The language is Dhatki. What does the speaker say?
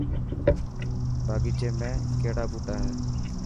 باغيچي ۾ ڪهڙا ٻوٽا هي.